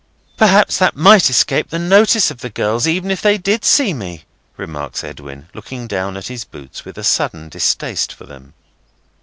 "Perhaps that might escape the notice of the girls, even if they did see me," remarks Edwin, looking down at his boots with a sudden distaste for them.